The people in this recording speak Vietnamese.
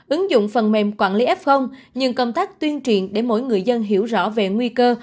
ứng dụng phần mềm quản lý f nhưng công tác tuyên truyền để mỗi người dân hiểu rõ về nguy cơ